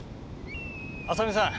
浅見さん。